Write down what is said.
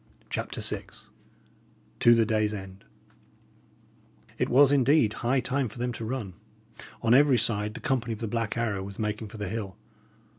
CHAPTER VI TO THE DAY'S END It was, indeed, high time for them to run. On every side the company of the Black Arrow was making for the hill.